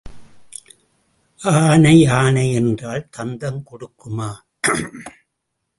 ஆனை ஆனை என்றால் தந்தம் கொடுக்குமா?